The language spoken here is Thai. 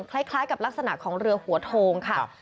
คล้ายกับลักษณะของเรือหัวโทงค่ะ